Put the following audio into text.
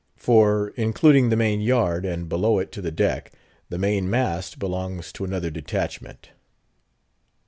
For, including the main yard, and below it to the deck, the main mast belongs to another detachment.